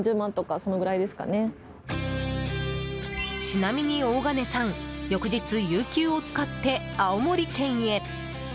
ちなみに大金さん翌日、有給を使って青森県へ。